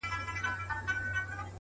اخلاق د انسان ریښتینی لباس دی،